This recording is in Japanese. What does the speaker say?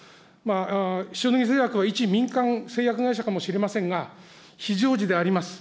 塩野義製薬は一民間製薬会社かもしれませんが、非常時であります。